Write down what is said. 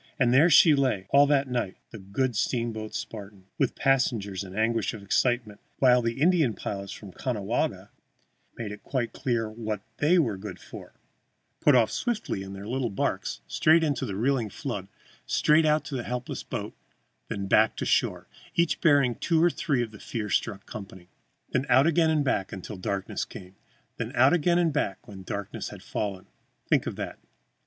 And there she lay, the good steamboat Spartan, all that night, with passengers in an anguish of excitement, while Indian pilots from Caughnawaga made it quite clear what they were good for put off swiftly in their little barks straight into that reeling flood, straight out to the helpless boat, then back to shore, each bearing two or three of the fear struck company. Then out again and back again until darkness came. Then out again and back again when darkness had fallen. Think of that!